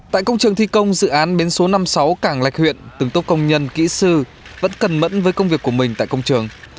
tại công trường thi công dự án bến số năm mươi sáu cảng lạch huyện từng tốp công nhân kỹ sư vẫn cần mẫn với công việc của mình tại công trường